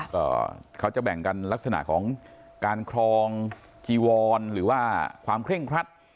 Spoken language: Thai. ก็เขาจะแบ่งกันลักษณะของการครองจีวรหรือว่าความเคร่งครัด